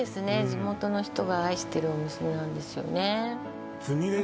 地元の人が愛してるお店なんですよね